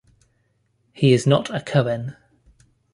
He is not a Kohen.